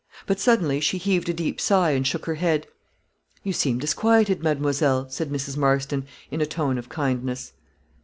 But, suddenly, she heaved a deep sigh, and shook her head. "You seem disquieted, mademoiselle," said Mrs. Marston, in a tone of kindness.